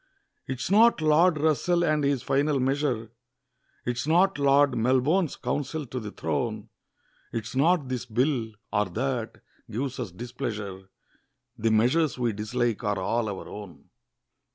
'Tis not Lord Russell and his final measure, 'Tis not Lord Melbourne's counsel to the throne, 'Tis not this Bill, or that, gives us displeasure, The measures we dislike are all our own.